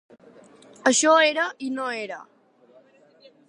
Això era i no era.